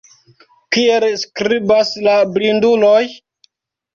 Kiel skribas la blinduloj?